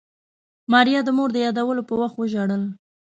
ماريا د مور د يادولو په وخت وژړل.